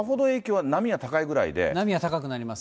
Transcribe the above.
波は高くなります。